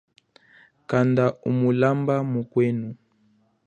Kanda umulamba mukwenu.